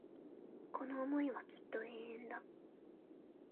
この思いはきっと永遠だ